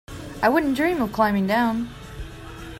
I wouldn't dream of climbing down.